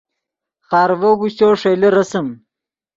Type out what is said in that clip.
خارڤو اگوشچو ݰئیلے رسم